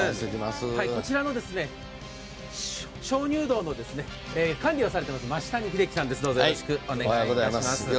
こちらの鍾乳洞の管理をされています、増谷秀樹さんです。